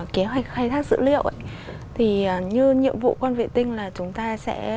kế hoạch khai thác dữ liệu thì như nhiệm vụ con vệ tinh là chúng ta sẽ